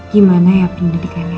gimana ya pendidikannya